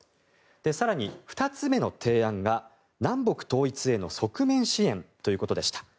更に２つ目の提案が南北統一への側面支援ということでした。